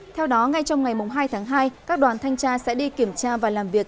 theo đó ngay trong ngày hai tháng hai các đoàn thanh tra sẽ đi kiểm tra và làm việc